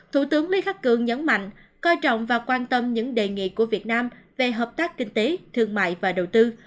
thủ tướng lý khắc cường nhấn mạnh coi trọng và quan tâm những đề nghị của việt nam về hợp tác kinh tế thương mại và đầu tư